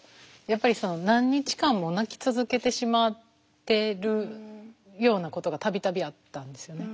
やっぱり何日間も泣き続けてしまってるようなことが度々あったんですよね。